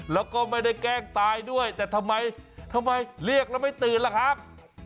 แล้วก็ไม่ได้แกล้งตายด้วยแต่ทำไมทำไมเรียกแล้วไม่ตื่นล่ะครับ